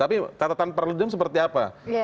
tapi tatatan perlu dijem seperti apa